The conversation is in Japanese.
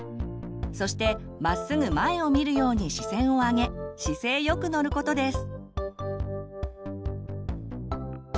そしてまっすぐ前を見るように視線を上げ姿勢よく乗ることです。